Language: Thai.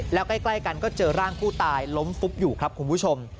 แล้วใกล้กันก็เจอร่างผู้ตายล้มฟุบอยู่ครับคุณผู้ชม